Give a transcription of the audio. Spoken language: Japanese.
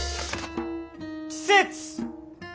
季節！